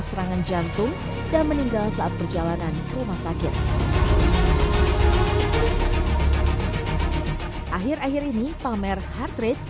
serangan jantung dan meninggal saat perjalanan ke rumah sakit akhir akhir ini pamer heart rate